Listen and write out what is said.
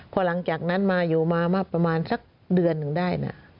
พอหลังจากนั้นมาอยู่มามาประมาณสักเดือนหนึ่งได้นะ